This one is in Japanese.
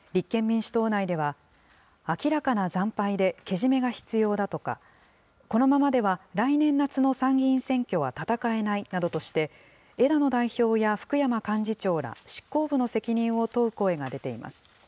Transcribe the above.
立憲民主党内では、明らかな惨敗でけじめが必要だとか、このままでは来年夏の参議院選挙は戦えないなどとして、枝野代表や福山幹事長ら、執行部の責任を問う声が出ています。